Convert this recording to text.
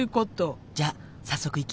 じゃあ早速行きましょ！